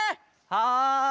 はい。